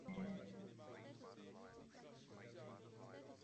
Tato místa jsou nyní kulturní památkou.